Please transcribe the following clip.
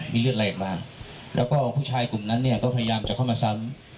มีเลือดไหลออกมาแล้วก็ผู้ชายกลุ่มนั้นเนี่ยก็พยายามจะเข้ามาซ้ำ